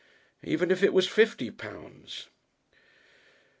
Even if it was fifty pounds